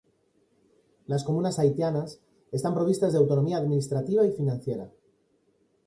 Las comunas haitianas están provistas de autonomía administrativa y financiera.